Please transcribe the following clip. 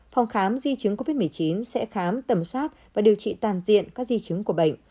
phòng khám di chứng covid một mươi chín sẽ khám tầm soát và điều trị toàn diện các di chứng của bệnh